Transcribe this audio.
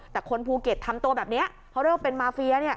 แต่คนภูเก็ตทำตัวแบบนี้เพราะเริ่มเป็นมาเฟีย